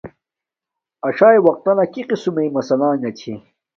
اݽ وقتنا کی قسم مݵ اے اݵ مسلہ نݣ چھے